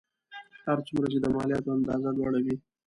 هر څومره چې د مالیاتو اندازه لوړه وي